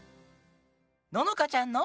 ののかちゃんの。